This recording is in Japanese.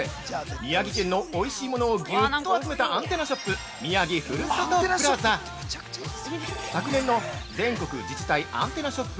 宮城県のおいしいものをぎゅっと集めたアンテナショップ「宮城ふるさとプラザ」昨年の全国自治体アンテナショップ